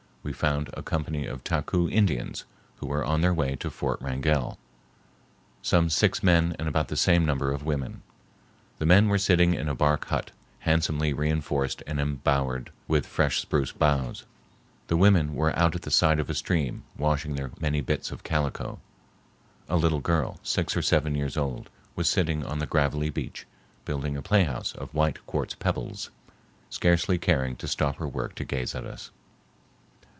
We found a company of Taku Indians, who were on their way to Fort Wrangell, some six men and about the same number of women. The men were sitting in a bark hut, handsomely reinforced and embowered with fresh spruce boughs. The women were out at the side of a stream, washing their many bits of calico. A little girl, six or seven years old, was sitting on the gravelly beach, building a playhouse of white quartz pebbles, scarcely caring to stop her work to gaze at us.